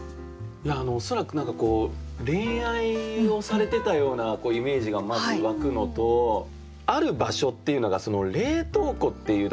恐らく恋愛をされてたようなイメージがまず湧くのとある場所っていうのが「冷凍庫」っていうところが。